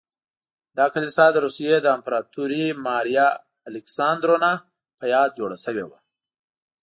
دا کلیسا د روسیې د امپراتورې ماریا الکساندرونا په یاد جوړه شوې وه.